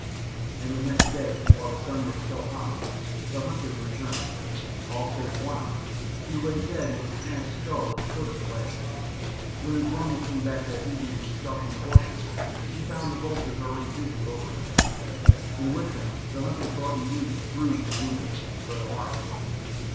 And the next day, while the sun was still high, the hunters returned all save One Eye, who lay dead with a smashed skull at the foot of the ledge. (When Ugh lomi came back that evening from stalking the horses, he found the vultures already busy over him.) And with them the hunters brought Eudena bruised and wounded, but alive.